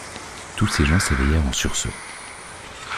Tous ses gens s’éveillèrent en sursaut.